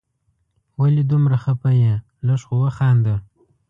ولي دومره خفه یې ؟ لږ خو وخانده